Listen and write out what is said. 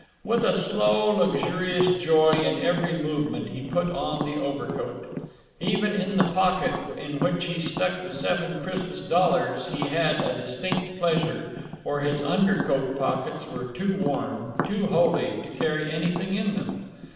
With a slow luxurious joy in every movement he put on the overcoat. Even in the pocket in which he stuck the seven Christmas dollars he had a distinct pleasure, for his undercoat pockets were too torn, too holey, to carry anything in them.